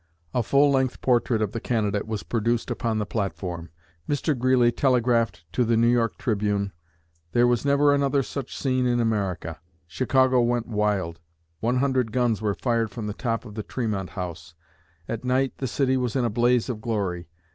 A full length portrait of the candidate was produced upon the platform. Mr. Greeley telegraphed to the N.Y. Tribune: 'There was never another such scene in America.' Chicago went wild. One hundred guns were fired from the top of the Tremont House. At night the city was in a blaze of glory.